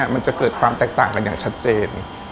มันจะเกิดความแตกต่างกันอย่างชัดเจน